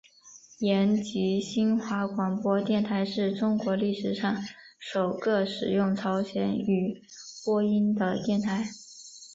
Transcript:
延吉新华广播电台是中国历史上首个使用朝鲜语播音的电台。